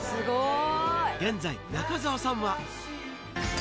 現在、中沢さんは。